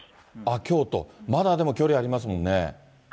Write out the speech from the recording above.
京都、まだ距離ありますもんね。